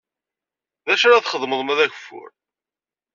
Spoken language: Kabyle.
D acu ara txedmeḍ ma d ageffur?